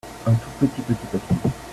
un tout petit petit papillon.